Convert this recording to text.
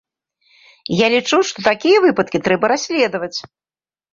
Я лічу, што такія выпадкі трэба расследаваць.